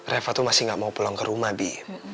repah itu masih nggak mau pulang ke rumah bi